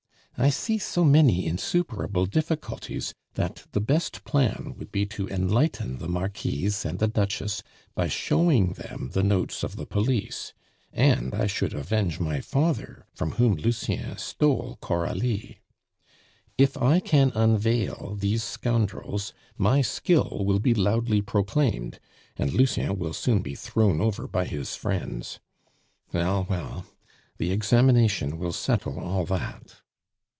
I see so many insuperable difficulties, that the best plan would be to enlighten the Marquise and the Duchess by showing them the notes of the police, and I should avenge my father, from whom Lucien stole Coralie. If I can unveil these scoundrels, my skill will be loudly proclaimed, and Lucien will soon be thrown over by his friends. Well, well, the examination will settle all that."